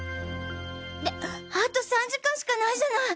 ってあと３時間しかないじゃない！